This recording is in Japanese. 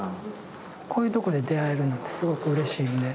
こういうとこで出会えるのってすごくうれしいんで。